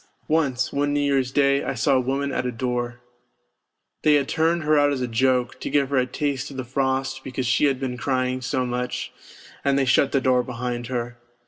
Once, one New Year's Day, I saw a woman at a door. They had turned her out as a joke, to give her a taste of the frost because she had been crying so much, and they shut the door behind her.